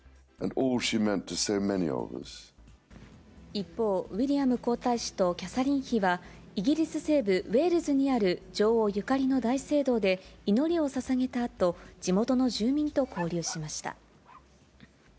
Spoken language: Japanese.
一方、ウィリアム皇太子とキャサリン妃は、イギリス西部ウェールズにある女王ゆかりの大聖堂で祈りをささげたあと、地元の住民と交流しました。